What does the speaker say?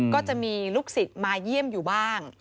ก็จะมีลูกศิษย์มาเยี่ยมอยู่บ้าง